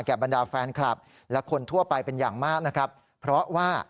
บรรดาแฟนคลับและคนทั่วไปเป็นอย่างมากนะครับเพราะว่า